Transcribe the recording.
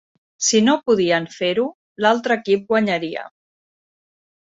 Si no podien fer-ho, l'altre equip guanyaria.